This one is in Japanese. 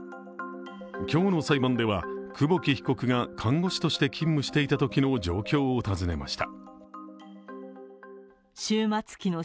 今日の裁判では、久保木被告が看護師として勤務していたときの心境を尋ねました。